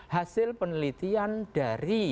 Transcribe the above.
hasil penelitian dari